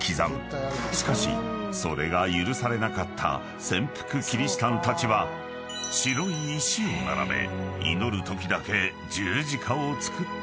［しかしそれが許されなかった潜伏キリシタンたちは白い石を並べ祈るときだけ十字架を作っていたのだ］